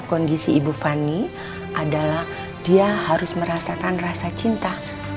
kondisi ibu fani adalah dia harus merasakan rasa cinta